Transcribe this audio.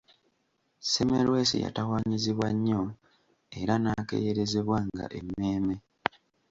Semmelwesi yatawaanyizibwa nnyo era n’akeeyerezebwanga emmeeme